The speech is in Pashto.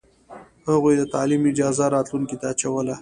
هغوی د تعلیم اجازه راتلونکې ته اچوله.